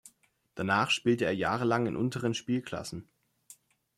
Danach spielte er jahrelang in unteren Spielklassen.